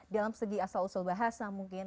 dalam segi asal usul bahasa mungkin